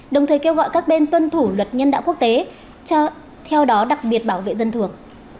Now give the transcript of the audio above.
đồng thời kêu gọi các bên tuân thủ luật nhân đạo quốc tế theo đó đặc biệt bảo vệ dân thường